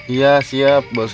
iya siap bos